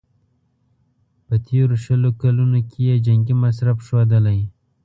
په تېرو شلو کلونو کې یې جنګي مصرف ښودلی.